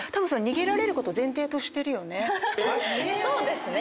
えっ⁉そうですね